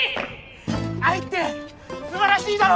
愛って素晴らしいだろ？